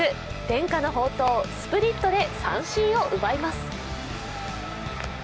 伝家の宝刀スプリットで三振を奪います。